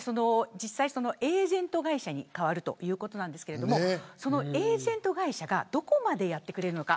エージェント会社に変わるということなんですがエージェント会社がどこまでやってくれるのか。